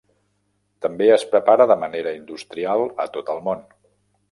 També es prepara de manera industrial a tot el món.